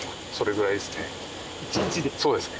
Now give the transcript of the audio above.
そうですね。